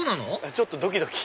ちょっとドキドキ！